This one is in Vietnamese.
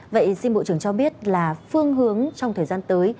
vậy xin bộ trưởng cho biết là phương hướng trong thời gian tới